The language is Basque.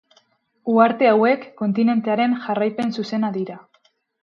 Uharte hauek kontinentearen jarraipen zuzena dira.